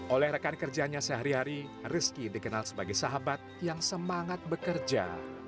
oleh rekan kerjanya sehari hari rizky dikenal sebagai sahabat yang semangat bekerja